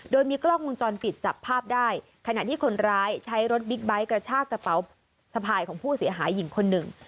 โดยมีกล้องวงจรปิดจับภาพได้ขณะที่คนร้ายใช้รถบิ๊กไบท์กระชากระเป๋าสะพายของผู้เสียหายหญิงคนหนึ่ง